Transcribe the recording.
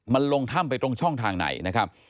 มันลงถ้ำไปตรงช่องทางไหนนะครับ